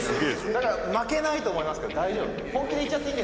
「だから負けないと思いますけど大丈夫？」